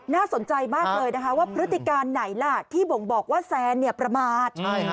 น่าสนใจมากเลยนะคะว่าพฤติการไหนล่ะที่บ่งบอกว่าแซนประมาท